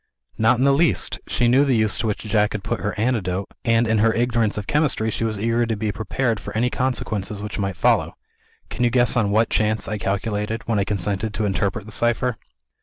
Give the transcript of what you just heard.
"Not in the least. She knew the use to which Jack had put her antidote, and (in her ignorance of chemistry) she was eager to be prepared for any consequences which might follow. Can you guess on what chance I calculated, when I consented to interpret the cipher?"